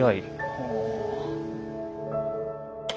ほう。